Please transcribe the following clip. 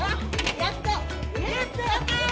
やった！